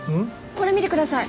これ見てください。